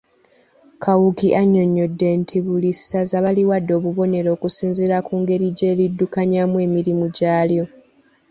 Kawuki annyonnyodde nti buli ssaza baliwadde obubonero okusinziira ku ngeri gye liddukanyaamu emirimu gyalyo.